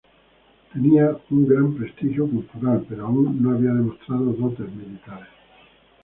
Tenía un gran prestigio cultural, pero aún no había demostrado dotes militares.